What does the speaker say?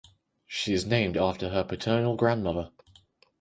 She is named after her paternal grandmother.